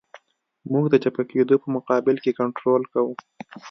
موږ د چپه کېدو په مقابل کې کنټرول کوو